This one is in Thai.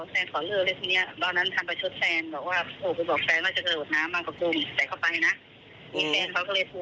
ตอนเดี๋ยวเขายังเมากระท่อมไทยอยู่